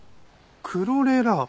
クロレラ。